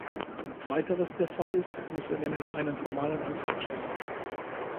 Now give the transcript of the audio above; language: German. Wenn zweiteres der Fall ist, muss er nämlich einen formalen Antrag stellen.